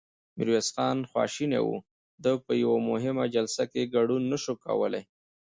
ميرويس خان خواشينی و، ده په يوه مهمه جلسه کې ګډون نه شوای کولای.